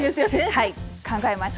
はい考えました。